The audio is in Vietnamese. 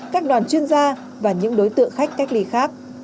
các đoàn chuyên gia và những đối tượng khách cách ly khác